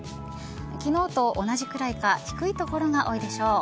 昨日と同じくらいか低い所が多いでしょう。